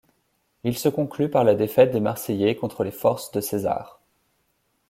Il se conclut par la défaite des Marseillais contre les forces de César.